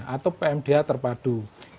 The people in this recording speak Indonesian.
atau pmdh terpadu